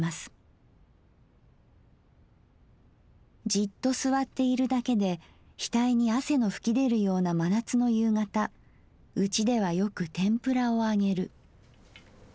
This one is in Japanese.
「じっと坐っているだけで額に汗の吹きでるような真夏の夕方うちではよく天ぷらを揚げる。